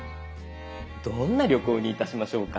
どんな旅行にいたしましょうか。